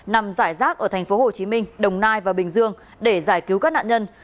nằm giải rác ở tp hcm đồng nai và bình dương để giải cứu các nạn nhân